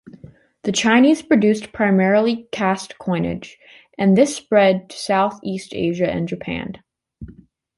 The Chinese produced primarily cast coinage, and this spread to South-East Asia and Japan.